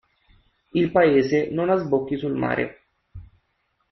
Il paese non ha sbocchi sul mare.